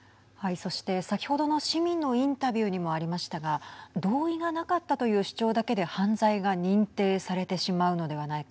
そして、先ほどの市民のインタビューにもありましたが同意がなかったという主張だけで犯罪が認定されてしまうのではないか。